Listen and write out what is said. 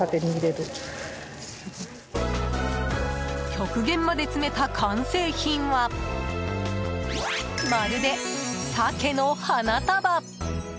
極限まで詰めた完成品はまるで、サケの花束。